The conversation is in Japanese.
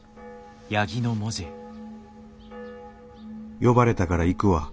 「呼ばれたから行くわ。